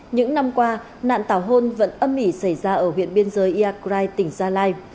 những năm qua nạn tảo hôn vẫn âm ỉ xảy ra ở huyện biên giới yagray tỉnh gia lai